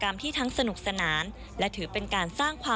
รู้สึกมันจะตามมาก่อน